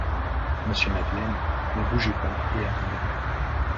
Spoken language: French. Monsieur Madeleine, ne bougez pas, et attendez-moi.